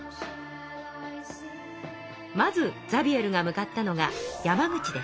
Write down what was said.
まずザビエルが向かったのが山口です。